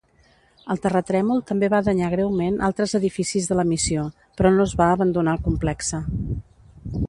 El terratrèmol també va danyar greument altres edificis de la missió, però no es va abandonar el complexe.